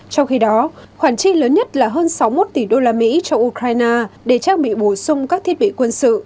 trong khi đó khoản chi lớn nhất là hơn sáu mươi một tỷ đô la mỹ cho ukraine để trang bị bổ sung các thiết bị quân sự